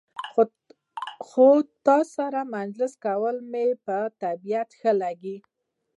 خو ستا سره مجلس کول مې په طبیعت ښه لګي.